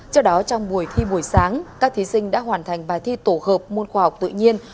trước đó trong buổi thi buổi sáng các thí sinh đã hoàn thành bài thi tổ hợp môn khoa học tự nhiên